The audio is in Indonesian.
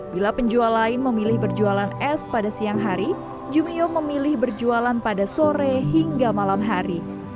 bila penjual lain memilih berjualan es pada siang hari jumio memilih berjualan pada sore hingga malam hari